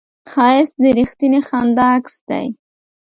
ښایست د رښتینې خندا عکس دی